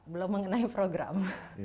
belum mengenai program